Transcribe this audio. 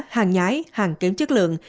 hàng nhái hàng kiếm chất lượng